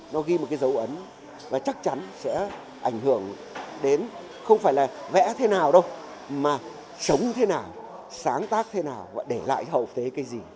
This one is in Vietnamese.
nó ghi một cái dấu ấn và chắc chắn sẽ ảnh hưởng đến không phải là vẽ thế nào đâu mà sống thế nào sáng tác thế nào và để lại hậu thế cái gì